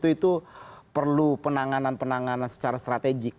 itu perlu penanganan penanganan secara strategik